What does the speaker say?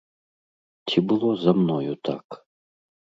Ці было за мною так?